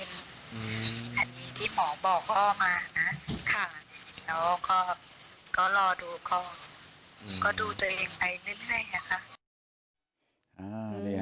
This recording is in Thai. อันนี้ที่หมอบอกพ่อมานะครับแล้วก็รอดูก็ดูจะเล็งไปนิดนึงนะครับ